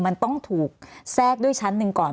มันต้องถูกแทรกด้วยชั้นหนึ่งก่อน